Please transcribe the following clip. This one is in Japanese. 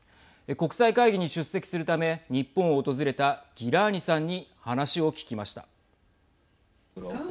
国際会議に出席するため日本を訪れたギラーニさんに話を聞きました。